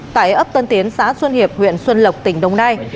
tại ấp tân tiến xã xuân hiệp huyện xuân lộc tỉnh đồng nai